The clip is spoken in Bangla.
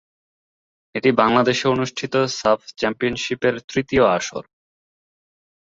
এটি বাংলাদেশে অনুষ্ঠিত সাফ চ্যাম্পিয়নশীপের তৃতীয় আসর।